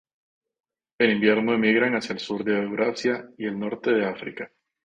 En invierno emigran hacia el sur de Eurasia y el norte de África.